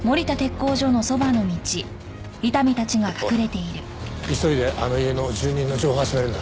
おい急いであの家の住人の情報を集めるんだ。